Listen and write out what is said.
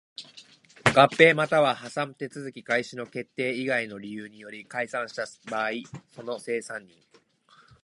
合併又は破産手続開始の決定以外の理由により解散した場合その清算人